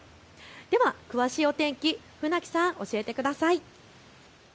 では詳しいお天気、船木さん、教えてください。